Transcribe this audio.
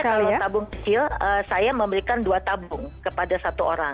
kalau tabung kecil saya memberikan dua tabung kepada satu orang